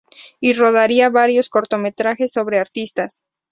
Y rodaría varios cortometrajes sobre artistas.